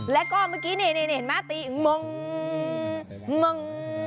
แล้วก็เมื่อกี้นี่เห็นไหมตีอีกมง